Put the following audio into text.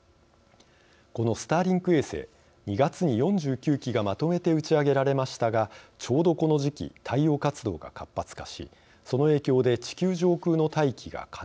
このスターリンク衛星２月に４９機がまとめて打ち上げられましたがちょうどこの時期太陽活動が活発化しその影響で地球上空の大気が加熱されて膨張。